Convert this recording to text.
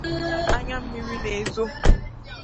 Anyammiri na-ezò